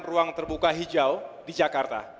ruang terbuka hijau di jakarta